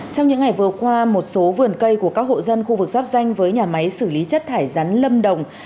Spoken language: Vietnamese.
trong những ngày vừa qua một số vườn cây của các hộ dân khu vực giáp danh với nhà máy xử lý chất thải rắn lâm đồng